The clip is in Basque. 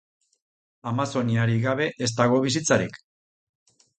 Amazoniarik gabe ez dago bizitzarik.